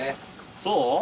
そう？